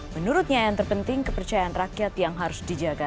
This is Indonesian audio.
menurutnya yang terpenting kepercayaan rakyat yang harus dijaga